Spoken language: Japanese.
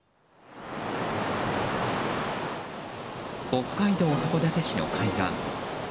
北海道函館市の海岸。